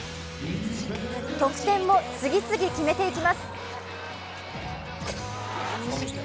得点も次々決めていきます。